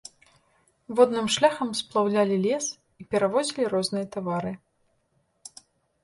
Водным шляхам сплаўлялі лес і перавозілі розныя тавары.